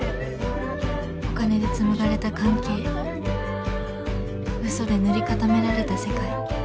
お金で紡がれた関係うそで塗り固められた世界。